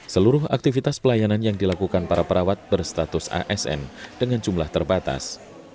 seluruh aktivitas pelayanan yang dilakukan para perawat berstatus asn dengan jumlah terbatas